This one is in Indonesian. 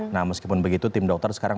nah meskipun begitu tim dokter sekarang